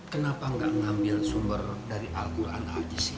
kenapa nggak ngambil sumber dari al quran hadi sih